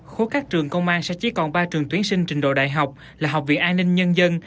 khối các trường công an sẽ chỉ còn ba trường tuyển sinh trình độ đại học là học viện an ninh nhân dân